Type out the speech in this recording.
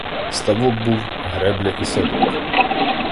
Ставок був, гребля і садок.